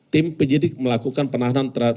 tim penyidik melakukan penahanan